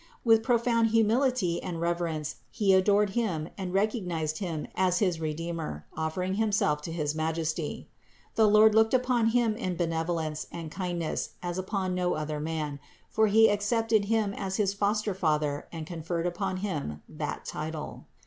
With pro found humility and reverence he adored Him and recog nized Him as his Redeemer, offering himself to his Majesty. The Lord looked upon him in benevolence and kindness as upon no other man, for He accepted him as his foster father and conferred upon him that title.